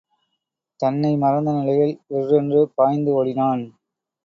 தன்னை மறந்த நிலையில் விர்ரென்று பாய்ந்து ஓடினான்.